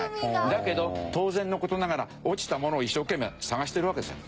だけど当然の事ながら落ちたものを一生懸命探してるわけですよ。